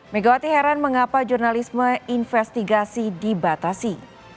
megawati heran mengapa jurnalisme investigasi dibatasi